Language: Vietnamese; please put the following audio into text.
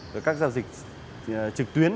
và các giao dịch trực tuyến